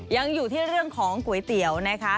ยังอยู่ที่เรื่องของก๋วยเตี๋ยวนะคะ